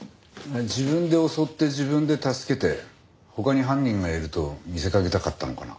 自分で襲って自分で助けて他に犯人がいると見せかけたかったのかな？